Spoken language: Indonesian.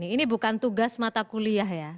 ini bukan tugas mata kuliah ya